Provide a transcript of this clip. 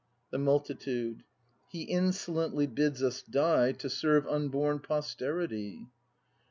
The Multitude. He insolently bids us die To serve unborn posterity!